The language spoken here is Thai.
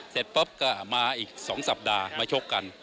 เสร็จปุ๊บก็มาอีก๒สัปดาห์มาชกกัน